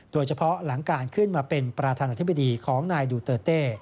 โดยเฉพาะหลังการขึ้นมาเป็นประธานาธิบดีของนายดูเตอร์เต้